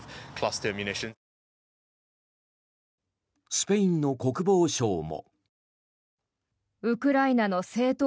スペインの国防相も。